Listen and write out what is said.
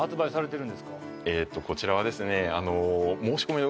こちらはですね。